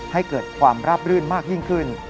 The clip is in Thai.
ให้เกิดความราบรื่นมากยิ่งขึ้น